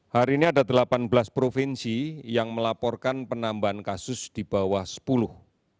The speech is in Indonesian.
hari ini ada delapan belas provinsi yang melaporkan penambahan kasus di bawah sepuluh